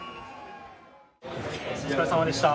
お疲れさまでした。